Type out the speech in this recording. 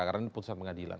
karena ini putusan pengadilan